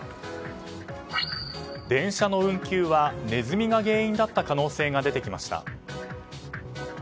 電車の運休はネズミが原因だった可能性が出てきました。